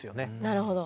なるほど。